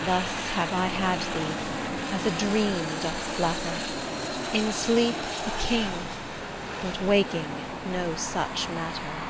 Thus have I had thee, as a dream doth flatter, In sleep a king, but waking no such matter.